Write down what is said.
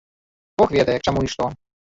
Бог ведае, к чаму й што?